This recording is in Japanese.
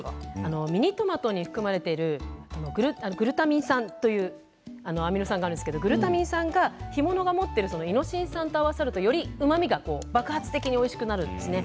ミニトマトに含まれているグルタミン酸というアミノ酸があるんですけれどグルタミン酸が干物が持っているイノシン酸と合わさるとよりうまみが爆発的においしくなるんですね。